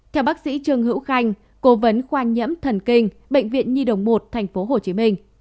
theo bác sĩ trương hữu khanh cố vấn khoan nhẫm thần kinh bệnh viện nhi đồng một tp hcm